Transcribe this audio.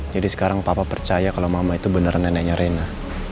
jadi sekarang papa percaya kalau mama itu beneran neneknya rena